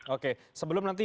oke sebelum nanti